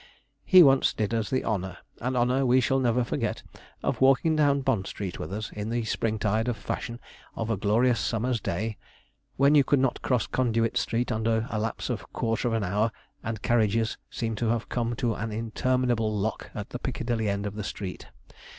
He once did us the honour an honour we shall never forget of walking down Bond Street with us, in the spring tide of fashion, of a glorious summer's day, when you could not cross Conduit Street under a lapse of a quarter of an hour, and carriages seemed to have come to an interminable lock at the Piccadilly end of the street.